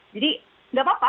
jadi gak apa apa